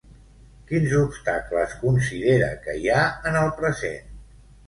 Quins obstacles considera que hi ha en el present?